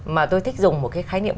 mà tôi thích dùng một cái khái niệm